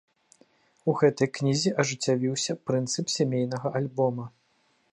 У гэтай кнізе ажыццявіўся прынцып сямейнага альбома.